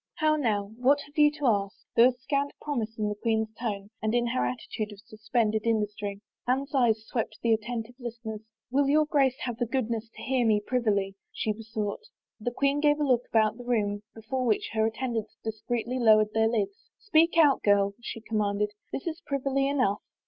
" How now ? What have you to ask ?" There was scant promise in the queen's tone and in her attitude of suspended industry. Anne's eyes swept the attentive listeners. " Will your Grace have the goodness to hear me privily ?" she be soqght. The queen gave a look about the room before which her attendants discreetly lowered their lids. " Speak out, girl," she commanded. " This is privily enough."